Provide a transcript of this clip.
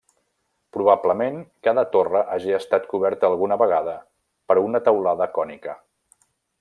Probablement cada torre hagi estat coberta alguna vegada per una teulada cònica.